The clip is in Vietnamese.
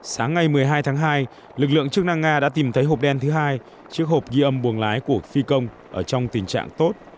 sáng ngày một mươi hai tháng hai lực lượng chức năng nga đã tìm thấy hộp đen thứ hai chiếc hộp ghi âm buồng lái của phi công ở trong tình trạng tốt